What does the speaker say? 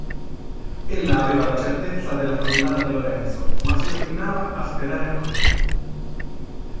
Ella aveva la certezza della condanna di Lorenzo, ma si ostinava a sperare ancora.